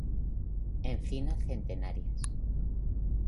Encinas centenarias.